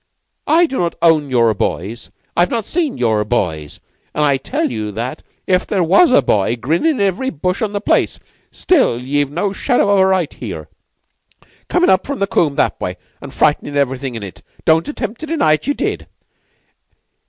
I do not own your boys. I've not seen your boys, an' I tell you that if there was a boy grinnin' in every bush on the place, still ye've no shadow of a right here, comin' up from the combe that way, an' frightenin' everything in it. Don't attempt to deny it. Ye did.